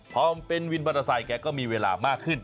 พอเป็นวินมอเตอร์ไซค์แกก็มีเวลามากขึ้น